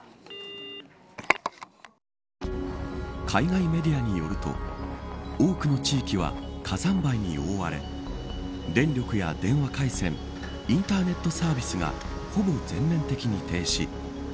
海外メディアによると多くの地域は火山灰に覆われ電力や電話回線インターネットサービスがほぼ全面的に停止。